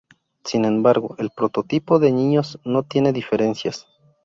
Sin embargo, el prototipo de niños no tiene diferencias.